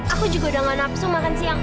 aku juga udah gak nafsu makan siang